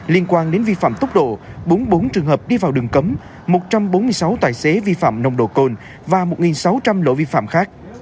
liên quan đến vi phạm tốc độ bốn mươi bốn trường hợp đi vào đường cấm một trăm bốn mươi sáu tài xế vi phạm nồng độ cồn và một sáu trăm linh lỗi vi phạm khác